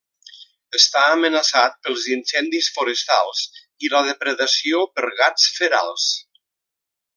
Està amenaçat pels incendis forestals i la depredació per gats ferals.